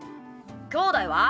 きょうだいは？